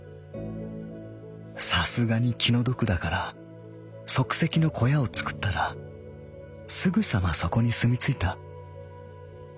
さすがに気の毒だから即席の小屋を作ったらすぐさまそこに住みついた。